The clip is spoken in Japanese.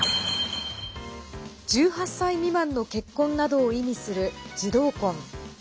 １８歳未満の結婚などを意味する児童婚。